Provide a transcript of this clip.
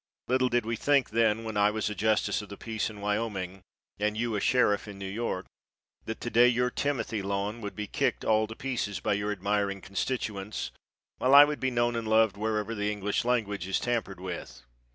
Little did we think then, when I was a justice of the peace in Wyoming and you a sheriff in New York, that to day your timothy lawn would be kicked all to pieces by your admiring constituents, while I would be known and loved wherever the English language is tampered with.